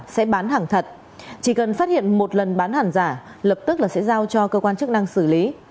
sẽ bán hàng thật chỉ cần phát hiện một lần bán hàng giả lập tức là sẽ giao cho cơ quan chức năng xử lý